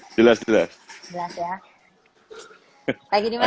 jelas gak zaman